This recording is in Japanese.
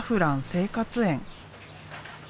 生活園。